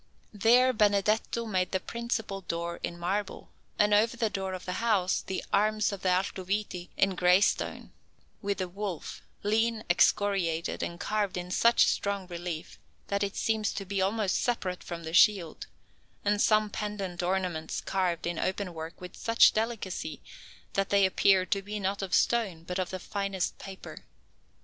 There Benedetto made the principal door in marble, and, over the door of the house, the arms of the Altoviti in grey stone, with the wolf, lean, excoriated, and carved in such strong relief, that it seems to be almost separate from the shield; and some pendant ornaments carved in open work with such delicacy, that they appear to be not of stone, but of the finest paper.